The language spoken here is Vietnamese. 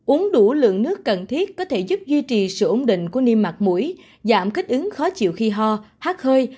uống đủ lượng nước cần thiết có thể giúp duy trì sự ổn định của niêm mặt mũi giảm kích ứng khó chịu khi ho hát hơi